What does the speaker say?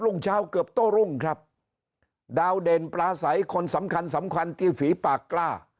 รุ่งเช้าเกือบโต้รุ่งครับดาวเด่นปลาใสคนสำคัญสำคัญที่ฝีปากกล้า